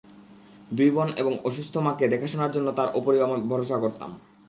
দুই বোন এবং অসুস্থ মাকে দেখাশোনার জন্য তার ওপরই আমরা ভরসা করতাম।